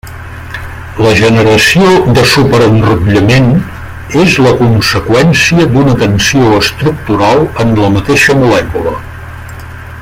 La generació de superenrotllament és la conseqüència d'una tensió estructural en la mateixa molècula.